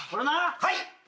はい。